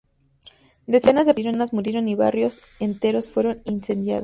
Decenas de personas murieron y barrios enteros fueron incendiados.